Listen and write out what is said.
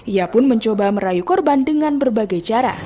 ia pun mencoba merayu korban dengan berbagai cara